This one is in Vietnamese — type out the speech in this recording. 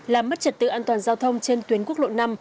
làm mất trật tự an toàn giao thông trên tuyến quốc lộ năm